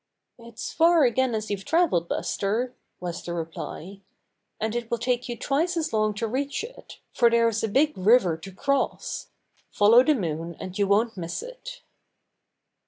"It's far again as you've traveled, Buster," was the reply, "and it will take you twice as long to reach it, for there's a big river to cross. Follow the moon, and you won't miss it."